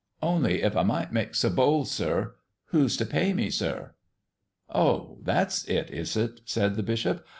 "Only, if I might make so bold, sir, who's to pay me, sir?" "Oh, that's it, is it?" said the bishop.